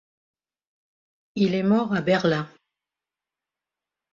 Il est mort à Berlin.